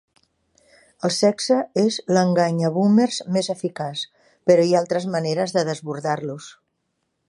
El sexe és l'enganyaboomers més eficaç, però hi ha altres maneres de desbordar-los.